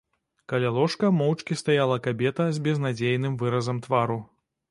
Каля ложка моўчкі стаяла кабета з безнадзейным выразам твару.